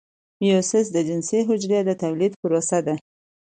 میوسیس د جنسي حجرو د تولید پروسه ده